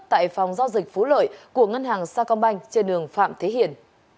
tại phòng giao dịch phú lợi của ngân hàng sa công banh trên đường phạm thế hiền